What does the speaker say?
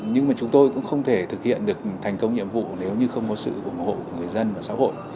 nhưng mà chúng tôi cũng không thể thực hiện được thành công nhiệm vụ nếu như không có sự ủng hộ của người dân và xã hội